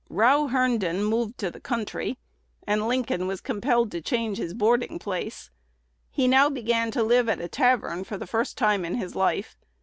Row Herndon moved to the country, and Lincoln was compelled to change his boarding place. He now began to live at a tavern for the first time in his life.